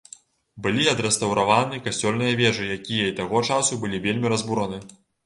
Былі адрэстаўраваны касцёльныя вежы, якія і таго часу былі вельмі разбураны.